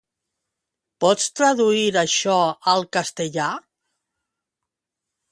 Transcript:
Pots traduir això al castellà?